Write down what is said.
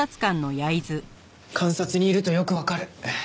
監察にいるとよくわかる。